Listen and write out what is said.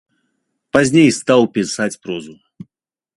Пазней стаў пісаць прозу.